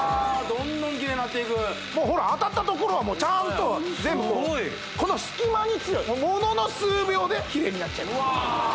どんどんキレイになっていくほら当たったところはちゃんと全部落ちてるこの隙間に強いものの数秒でキレイになっちゃいます